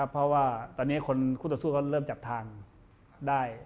เพราะว่าตอนนี้คนคู่ต่อสู้ก็เริ่มจับทางได้